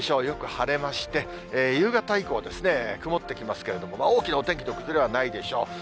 よく晴れまして、夕方以降ですね、曇ってきますけれども、大きなお天気の崩れはないでしょう。